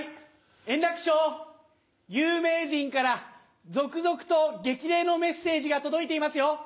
円楽師匠、有名人から続々と激励のメッセージが届いていますよ。